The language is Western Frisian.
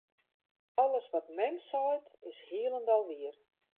Alles wat mem seit, is hielendal wier.